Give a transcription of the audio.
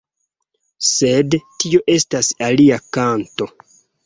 Sed tio estas alia kanto.